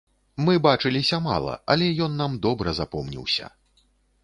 Мы бачыліся мала, але ён нам добра запомніўся.